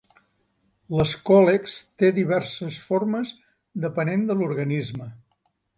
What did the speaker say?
L'escòlex té diverses formes depenent de l'organisme.